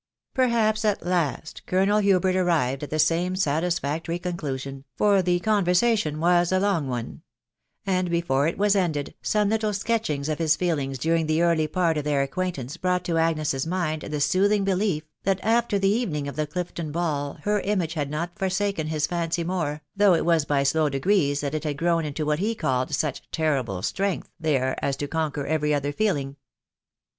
Perhaps at last Colonel Hubert arrived at the same satisfac tory conclusion, for the conversation was a long one ; and be fore it was ended, some little sketchings of his feelings during the early part of their acquaintance brought to Agnes's mind the soothing belief, that after the evening of the Clifton ball her image had never forsaken his fancy more, though it was by slow degrees that it had grown into what he called such " terrible strength " there, as to conquer every other feeling.